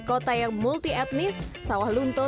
kota yang multi etnis sawah lunto